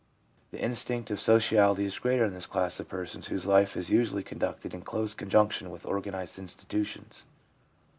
The instinct of sociality is greater in this class of persons whose life is usually conducted in close conjunction with organised institu tions.